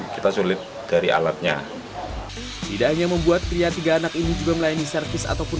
kita sulit cari alatnya tidak hanya membuat pria tiga anak ini juga melayani servis ataupun